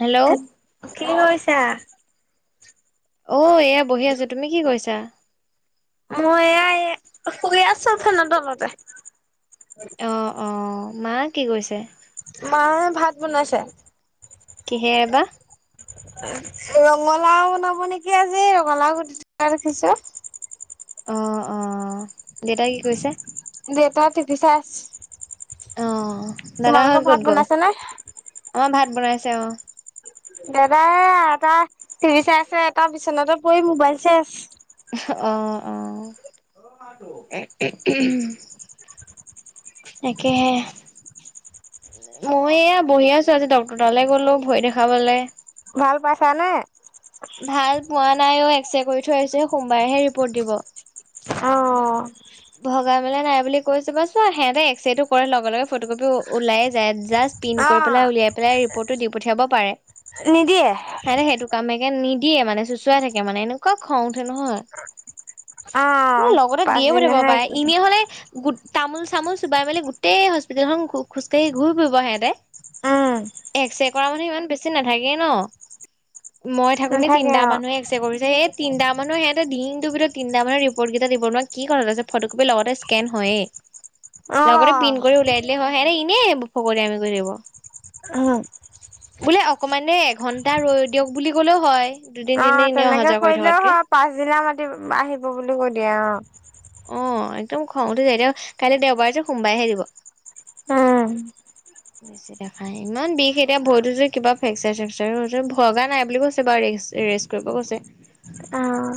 Hello কি কৰিছা? অ' এয়া বহি আছোঁ, তুমি কি কৰিছা? মই এয়া এ শুই আছোঁ, ফেনৰ তলতে। অ' অ' মা কি কৰিছে? মা ভাত বনাইছে। কিহেৰে বা? ৰঙালাও বনাব নেকি আজি ৰঙালাও কুটি থকা দেখিছোঁ। অ' অ' দেউতাই কি কৰিছে? দেউতা টিভি চাই আছে। দাদাহত তোমালোকৰ ভাত ক'ত গ'ল? বনাইছে নে? আমাৰ ভাত বনাইছে অ'। দাদা এ এটা টিভি চাই আছে, এটা বিচনাতে পৰি মোবাইল চাই আছে। অ' অ' [unintelligible] তাকে হে। মই এয়া বহি আছোঁ, আজি ডক্তৰৰ তালৈ গ'লো ভৰি দেখাবলে। ভাল পাইছা নে? ভাল পোৱা নাই অও এক্স ৰে কৰি থৈ আহিছে। সোমবাৰেহে ৰিপৰ্ট দিব। অহ' ধোৱা মেলা নাই বুলি কৈছোঁ। কৈছোঁ সিহঁতে এক্স ৰেটো কৰে লগে লগে ফটকপি ওলাইে যায় জাষ্ট। পিন কৰি পেলাই অ' উলিয়াই পেলাই ৰিপৰ্টটো দি পঠিয়াব পাৰে। নিদিয়ে। সিহঁতে সেইটো কামেকে নিদিয়ে মানে চুচুৱাই থাকে মানে এনেকুৱা খং উঠে নহয়। অ, পাছদিনাহে। এনে হলে। গো তামোল চামোল চুবাই মেলি গোটেই হস্পিতেলখন খোজকাঢ়ি ঘূৰি ফুৰিব সিহতে। উম এক্স ৰে কৰা মানুহ ইমান বেছি নাথাকে ন। মই থাকো নে নাথাকে তিনিটা মানুহে এক্স কৰিছে সেই তিনি মানুৰ সিহতে দিনটো ভিতৰত তিনি মানৰ ৰিপৰ্টেই দিব নোৱাৰ কি কথা আছে। ফটো কপি লগতে স্কেন হয়েই অ' লগতে পিন কৰি অ' ও ওলাই দিলে হয়। ফকৰি আমি কৰি [unintelligible] ব উ বোলে অকমানে এঘন্টা ৰৈ দিয়ক বুলি ক'লেও হয়। দুদিন অ, তিনিদিন এনেই অহা তেনেকে যোৱা কৰি কৰিলেও থকাতকে। হয় পাছদিনা মাতি আহিব বুলি কৈ দিয়া অ, অ, একদম খং উঠি যায়তি কাইলৈ দেওবাৰে যে সোমবাৰহে দিব। উম। বেছি দেখাই ইমান বিষ এতিয়া ভৰিতো কিবা ফ্ৰচাৰ সেচ্ছৰ হৈছে ভগা নাই বুলি কৈছে বাৰ ৰেষ্ট কৰিব কৈছে। অ',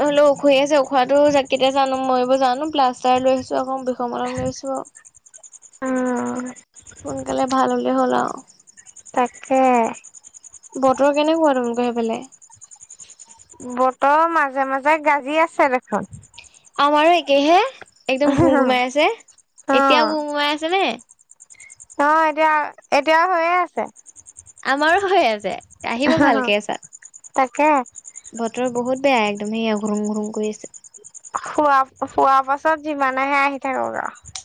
অ, হলেও উখহি আছে উখহিটো যাক কেতিয়া জানো মই এইবোৰ জানো প্লাষ্টাৰ লৈ আহিছো আক বিষৰ মলম লৈছো আকৌ। অ সোনকালে ভাল হ'লে হ'ল আৰু তাকে। বতৰ কেনেকুৱা তমলোক ৰ সেইফালে। বতৰ মাজে মাজে গাজি আছে দেখোন। আমাৰো একেহে একদম ঘুম- ঘুমাই আছে অ এতিয়াও ঘুম গুমাই আছে নে? অ, এতিয়া - এতিয়াও হৈয়ে আছে। আমাৰো হৈ আছে আহিব ভালকে চা তাকে বহুত বেয়া একদম সয়া ঘুৰুম - ঘুৰুম কৰি আছে। শোৱা- শোৱা পাছত যিমানেহে আহি থাকোক আৰু।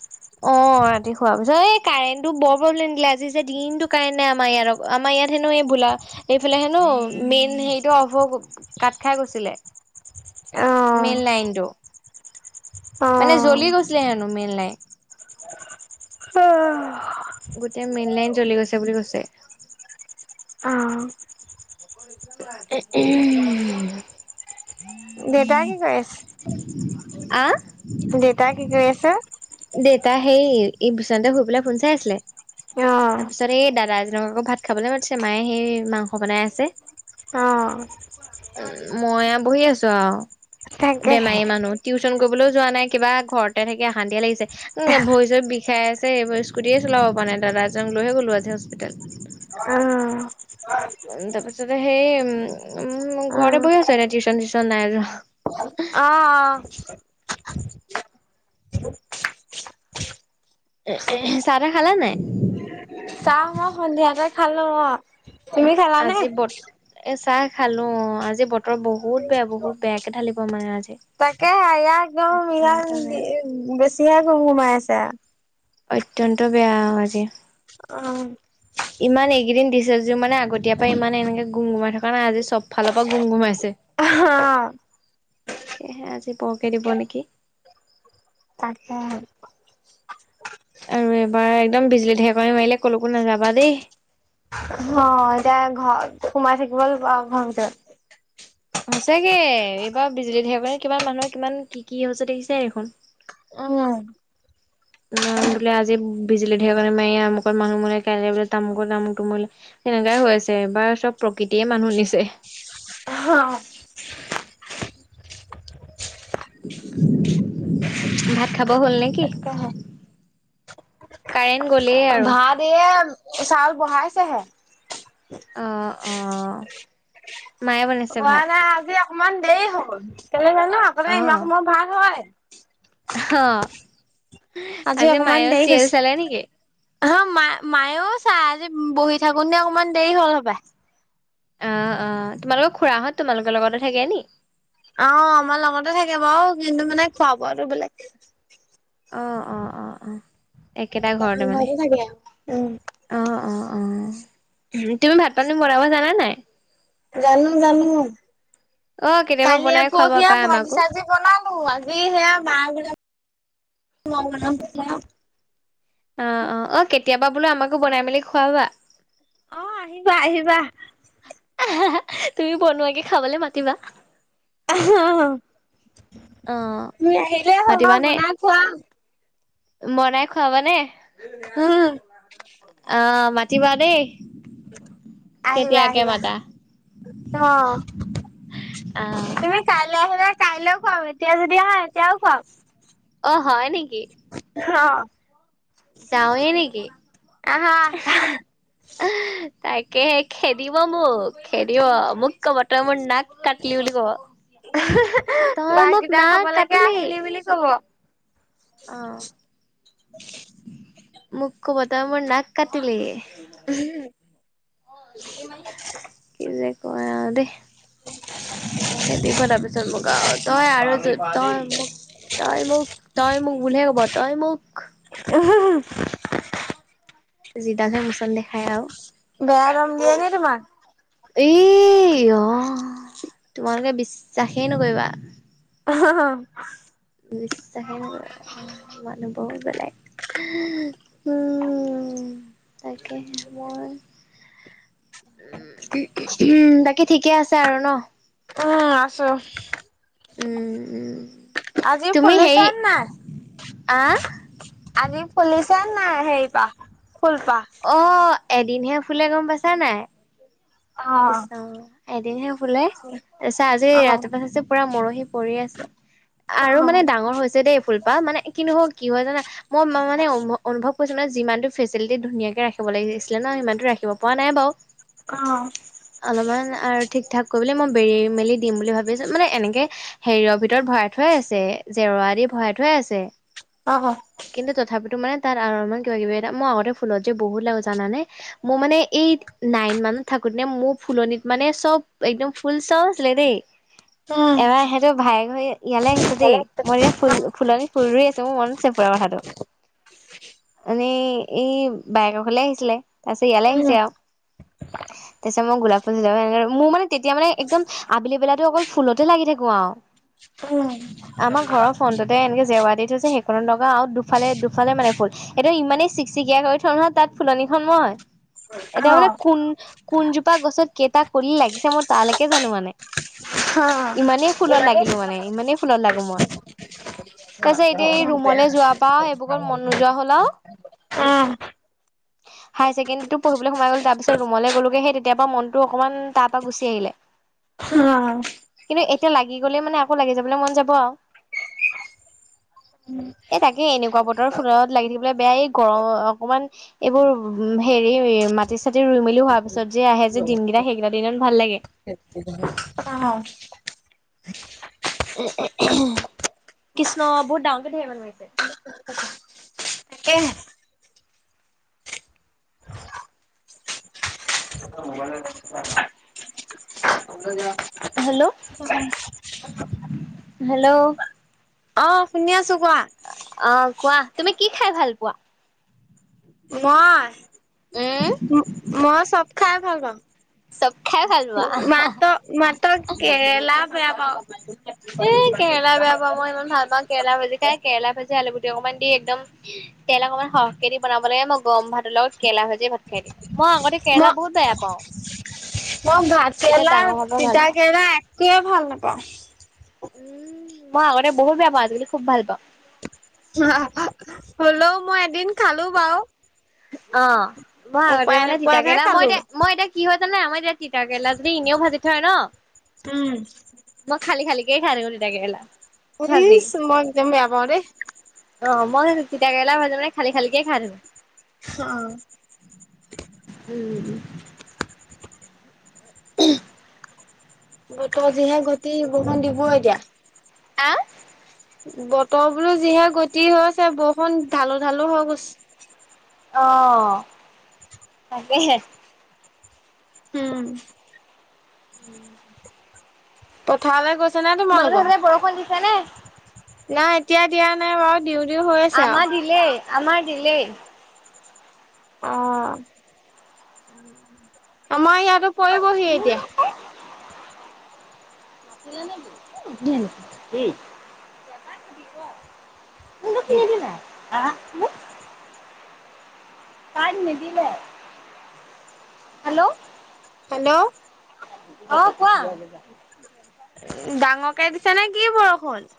অ', ৰা খ পিছ এই কাৰেণ্টটো বৰ প্ৰব্লেম দিলে আজি যে দিনটো কাৰেণ্ট নাই আমাৰ ইয় আমাৰ ইয়াত হেন এই বোলা। এইফালে হেনো মেইন হেৰিটো অভ হৈ কাট খাই গৈছিলে। [inaudible] মেন লাইনটো। অ মানে জ্বলি গৈছিলে হেনো মেইন লাইন। গোটেই মেইন লাইন জ্বলি গৈছে বুলি কৈছে। অ উউ, হম। দেউতাই কি কৰি আছে। আ হা দেউতা সেই ভূচন্ত শুৰি পেলাই ফোন চাই আছিলে অ তাৰ পিছত এই দাদা তেনেক আকৌ ভাত খাবলৈ মায়ে সেই মাংস বনাই আছে। অ', ময়ে বহি আছো আও তাকেহে বেমাৰী মানুহ টিউচন কৰিবলৈ যোৱা নাই কিবা ঘৰতে থাকি অশান্তি লাগিছে। উম, ভৰি চৰ বিষাই আছে এইবোৰ স্কুটিয়ে চলাব পৰা নাই দাদা এজন লৈহে গ'লো আজি হস্পিতেল। উম, তাৰ পিছতে সেই উম, ঘ অ ৰতে বহি আছো এতিয়া টিউশচন চিউশন নাই যোৱা। অ - অ। এহ চাহ টাহ খালা নে নাই। চাহ মই সন্ধিয়াতে খালো অ', তুমি খালানে? আজি বত এ চাহ খালো অ', আজি বতৰ বহুত বেয়া, বহুত বেয়াকে ঢালিব মানে আজি। তাকেহে [unintelligible] অত্যন্ত বেয়া বেছিহে গুমগুমাইছে আও। অত্যন্ত বেয়া আৰু আজি। উ ইমান এইকেইদিন দিছে যদিও মানে আগতীয়া পৰা ইমান এনেকে গুম গুমাই থকা নাই, আজি চব ফালৰ পৰা গুম গুমাইছে। অ' তাকেহে, আজি বৰকে দিব নেকি। তাকে আৰু এবাৰ একদম বিজুলী ঢেৰেকণি মাৰিলে ক'লৈকো নাযাবা দেই। অ', এতিয়া ঘৰত, সোমাই থাকিব লাগিব আৰু, ঘৰৰ ভিতৰত। সঁচাকে, এইবাৰ বিজুলী ধেৰেকণিত কিমান মানুহৰ কিমান কি কি হৈছে দেখিছাই দেখোন। উম'। ইমান বোলে আজি বিজুলী ঢেৰেকণি মাৰি আমুকত মানুহ মৰিলে কাইলৈ বোলে তামুকত তামুকটো মৰিলে সেনেকুৱাই হৈ আছে, এইবাৰ চব প্ৰকৃতিয়েই মানুহ নিছে। অ' ভাত খাব হ'ল নে কি? তাকেহে কাৰেণ্ট গ'লেই আৰু ভাত এ চাউল বহাইছেহে। অ' অ'। মায়ে বনাইছে হোৱা ভাত নাই, আজি অকমান দেৰি হ'ল, কেলে জানো আগতে ইমান অ', সময় ভাত হয়। অ', আজি অকমান মায়েও দেৰি চিয়েল হৈছে। চালে নেকি? অ', মা মায়েও চাই আজি বহি থাকোঁতেনে অকমান দেৰি হ'ল হপাই। অ' অ', তোমালোকৰ খুৰাহঁত তোমালোকৰ লগতে থাকে নেকি? অ', আমাৰ লগতে থাকে বাৰু, কিন্তু মানে খোৱা বোৱাটো বেলেগ অ' অ' অ' অ', একেটা ঘৰতে মানে। থাকে উম অ', অ', অ', তুমি ভাত পানী বনাব জানা নাই? জানো জানো, অ', কেতিয়াবা কালিয়ে বনাই খুৱাব পৰহিয়ে পাই ভাজি আমাকো। চাজি বনা আজি সেয়া [inaudible] অ' অ', অ' কেতিয়াবা বোলো আমাকো বনাই মেলি খোৱাবা। অ', আহিবা আহিবা। তুমি বনোৱাকে খাবলে মাতিবা। অ', অ', তুমি আহিলেই হ'ল, মই মাতিবানে? বনাই খুৱাম। বনাই খুৱাবানে, উম অ', মাতিবা দেই। আহিবা, কেতিয়াকে আহিবা, মাতা? অ'। অ', তুমি কাইলৈ আহিবা, কাইলৈও খুৱাম, এতিয়া যদি আহা এতিয়াও খুৱাম। অ' হয় নেকি? অ যাওঁৱে নেকি? আহা তাকে খেদিব মোক, খেদিব মোক ক'ব তই মোৰ নাক কাটিলি বুলি ক'ব। তই মোক বাহকেইটা নাক খাবলৈকে কাটিলি। আহিলি বুলি কব অ', মোক ক'ব তই মোৰ নাক কাটিলি। স কি যে কোৱা আৰু দেই। উ খেদিব তাৰপিছত মোক আৰু, তই আৰু যদি-তই মোক তই মোক, তই মোক বুলিহে ক'ব, তই মোক যিডালহে মোচন দেখায় আও বেয়া দম দিয়ে নি এই অ', তোমালোকে বিশ্বাসেই নকৰিবা। হ হ বিশ্বাসে নকৰে, মানুহ বহুত বেলেগ উম, তাকেহে, মই উম, বাকী ঠিকে আছে আৰু ন? উম, আছো উম উম আজি ফুলিচেন নাই। আ। আজি ফুলিছে নাই, সেই পাহ ফুলপাহ। অ এদিনহে ফুলে গম পাইছা নাই। অ কৃষ্ণ, এদিনহে ফুলে তাৰপিছত আজি অ ৰাতিপুৱা চাইছো পুৰা মৰহি সৰি পৰি আছে। আৰু মানে ডাঙৰ হৈছে দেই ফুলপাহ মানে কিন্তু হয়, কি হয় জানা। মই মা মানে অমভ অনুভৱ মানে যিমানটো ফেচিলিটী ধুনীয়াকে ৰাখিব লাগিছিলে ন সিমানতটো ৰাখিব পৰা নাই বাও। অ অলপমান আৰু ঠিক ঠাক। কৰিবলে মই বেৰি মেলি দিম বুলি ভাবিছো মানে এনেকে হেৰিয়ৰ ভিতৰত ভৰাই থোৱাই আছে জেওৰা দি। ভৰাই থোৱাই আছে, অ কিন্তু তথাপিট তোমাৰ তাত আৰু মানে তাত কিবা কিবি এটা মই আগতে ফুলত যে বহুত লাগো জানা নে, মোৰ মানে এই নাইন মান থাকোতে নে মোৰ ফুলনিত মানে চব একদম ফুল চাউ আছিলে দেই। উম এবাৰ সেইটো ভাই ইয়ালৈ আহিছে দেই, মই এয়া ফুল ফুলনি ফুল ৰুই আছো মোৰ মনত আছে ফুৰাৰ কথাটো। এনেই এই বাইকৰ ঘৰলে আহিছিলে তাছত ইয়ালৈ উম আহিছে আও। তাৰপিছত মই গোলাপ ফুল [unintelligible] মোৰ মানে তেতিয়া মানে একদম আবেলি বেলাতো অকল ফুলতে লাগি থাকো আও। [inaudible] আমাৰ ঘৰৰ ফাউনটোতে এনেকে জেওৱা দি থৈ যে সেইখনত লগা আৰু দুফালে দুফালে মানে ফুল। সেটো ইমানেই চিকচিকিয়া কৰি থও নহয় তাত ফুলনিখন মই, অ এতিয়া অ মানে কোন কোনজোপা গছত কেইটা কলি লাগিছে মই তালেকে জানো মানে। উম ইমানেই ফুলত লাগিলো মানে ইমানেই ফুলত লাগো মই। তাছত এতিয়া এই ৰুমলৈ যোৱা পা সেইবোকত মন নোযোৱা হ'ল আও। হায় ছেকেণ্ডেৰীটো পঢ়িবলে সোমাই গ'লো তাৰ পিছত ৰুমলৈ গ'লো সেই তেতিয়াৰ পৰা মনটো অকমান তাৰ পৰা গুচি আহিলে। উম কিন্তু এতিয়া লাগি গ'লে মানে আকৌ লাগি যাবলৈ মন যাব আও। [inaudible] এ তাকে, এনেকুৱা বতৰ ফুলত লাগি থাকিবলে বেয়া এই গৰ অকমান এইবোৰ হেৰি, মাটি চাটি ৰুই মেলি হোৱাৰ পিছত যে আহে যে দিন গেইটা সেইগেইটা দিনত ভাল লাগে। অ। কৃষ্ণ বহুত ডাঙৰ কৈ ডেৰ মানুহ আহিছে। তাকেহে হেল্ল'-হেল্ল'। অ', শুনি আছো কোৱা। অ কোৱা, তুমি কি খাই ভাল পোৱা? মই উম, মই চব খাই ভাল পাওঁ। চব খাই ভাল পোৱা। মাত'- মাত' কেৰেলা বেয়া পাওঁ। এ কেৰেলা বেয়া পোৱা মই ইমান ভাল পাওঁ। কেৰেলা ভাজি খাই কেৰেলা ভাজ যে আলুগুটি অকনমান দি একদম তেল অকনমান সৰহকে দি বনাব লাগে। মই গৰম ভাতৰ লগত কেলা ভাজি ভাত খাই দিম। মই-মই ভাত এতিয়া কেৰেলা ডাঙৰ হোৱাৰ পৰা ভাল তিতা পাওঁ। কেৰেলা কিয়ে ভাল নেপাওঁ? উম, মই আগতে বহুত বেয়া পাওঁ আজিকালি খুব ভাল পাওঁ। হলেও, মই এদিন খালো বাও। অ, মই আগতে মানে তিতা নোপোৱাতহে কেৰেলা ন মই খালো। এতিয়া মই এতিয়া কি হয় আমাৰ ইয়াত তিতা কেৰেলা যদি ইনেও ভাজি থয় ন। উম। কে খাই গ'ল তিতা কেৰেলা। পুলিছ মই একদম বেয়া পাওঁ দেই অ', মই তিতা কেৰেলা ভাঁজি খালি -খালিকে খাই থওঁ। অ উম। উ বতৰ যিহে গটি বৰষুন দিব এতিয়া আহ বতৰ বোলো যিহে গতি হৈছে বৰষুণ ঢালো ঢালো হৈ গৈছ আহ তাকেহে উম উম পথাৰলে গৈছ তোমালোকে সেইফালে বৰষুণ দিছে নে নাই এতিয়া দিয়া নাই বাৰু দিওঁ দিও হৈ আছে আও আমাৰ দিলেই, আমাৰ দিলেই অহ উম উম। আমাৰ ইয়াতো পৰিবহি এতিয়া [unintelligible] [unintelligible] [unintelligible] নিদিলে, হেল্ল' হেল্ল' অ কোৱা ডাঙৰকে দিছে নেকি বৰষুণ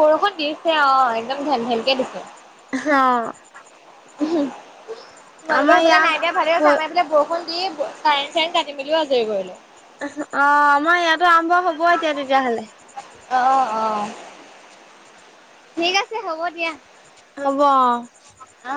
বৰষুণ দিছে অ একদম ঢেম ঢেমকে দিছে অ উম তোমালোকৰ আমাৰ সেইফালে নাই দিয়া ভালেই ইয়াত অ হৈছে আমাৰ এইফালে বৰষুণ কি কাৰেট চাৰেনট কাটি মেলিও আজৰি কৰিলো। অ আমাৰ ইয়াটো আৰম্ভ হব আৰু এতিয়া তেতিয়াহলে। অ ঠিক আছে হ'ব দিয়া। হব অঁ। অ।